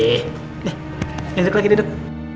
deh duduk lagi duduk